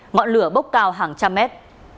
ngọn lửa bốc cao hàng trăm mét